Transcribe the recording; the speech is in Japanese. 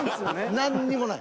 何にもない。